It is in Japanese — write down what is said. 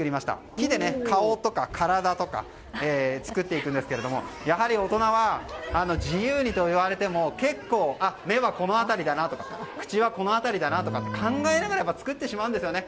木で顔とか体とかを作っていくんですけどやはり大人は自由にと言われても結構、目はこの辺りだなとか口はこの辺りかなって考えながら作ってしまうんですよね。